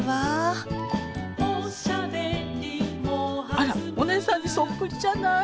あらお姉さんにそっくりじゃない。